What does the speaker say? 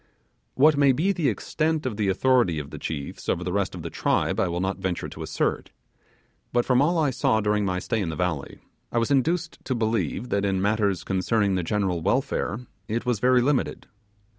What may be the extent of the authority of the chiefs over the rest of the tribe, I will not venture to assert; but from all I saw during my stay in the valley, I was induced to believe that in matters concerning the general welfare it was very limited.